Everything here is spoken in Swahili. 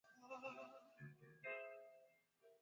Ukitafuta byakuria bya mingi sana rima sana